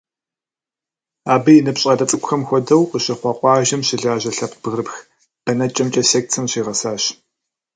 Абы и ныбжь щӏалэ цӏыкӏухэм хуэдэу, къыщыхъуа къуажэм щылажьэ лъэпкъ бгырыпх бэнэкӏэмкӏэ секцэм зыщигъэсащ.